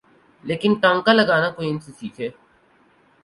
لیکن ٹانکا لگانا کوئی ان سے سیکھے۔